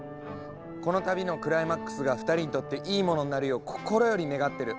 この旅のクライマックスが２人にとっていいものになるよう心より願ってる。